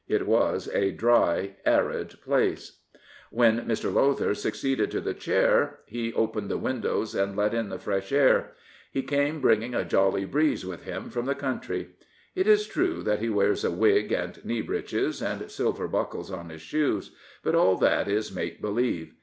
It was a dry, and place, r When Mr. Lowther succeeded to the Chair, he opened the windows and let in the fresh air. He came bringing a jolly breeze with him from the country. It is true that he wears a wig and knee breeches, and silver buckles on his shoes; but all that is make believe.